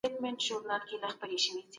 سازمانونه ولي نړیوالي اړیکي پراخوي؟